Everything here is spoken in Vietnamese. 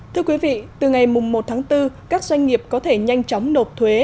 thưa quý vị từ ngày một tháng bốn các doanh nghiệp có thể nhanh chóng nộp thuế